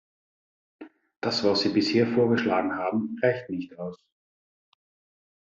Das was Sie bisher vorgeschlagen haben, reicht nicht aus.